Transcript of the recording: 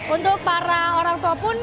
untuk para orang tua pun